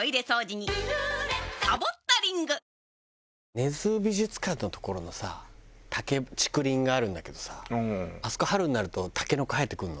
根津美術館の所のさ竹竹林があるんだけどさあそこ春になるとタケノコ生えてくるの。